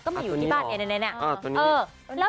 ก็อยู่ที่บ้านเนี่ยแนะแนะ